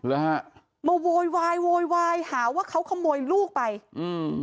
แล้วฮะมาโวยวายโวยวายหาว่าเขาขโมยลูกไปอืม